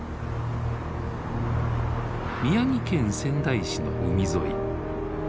宮城県仙台市の海沿い。